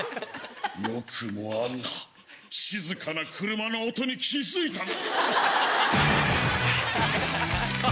よくもあんな静かな車の音に気付いたな！